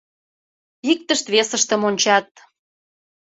Иктышт-весыштым ончат.